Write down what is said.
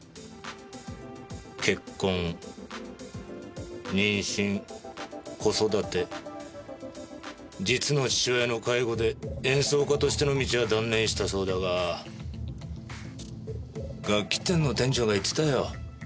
結婚妊娠子育て実の父親の介護で演奏家としての道は断念したそうだが楽器店の店長が言ってたよ。